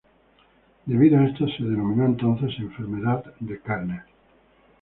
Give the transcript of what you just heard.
Debido a esto, se denominó entonces "enfermedad de Kerner".